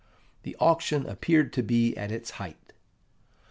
The auction appeared to be at its height.